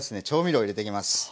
調味料を入れていきます。